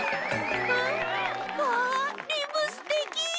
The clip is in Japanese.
ん？わリムすてき！